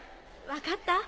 分かった？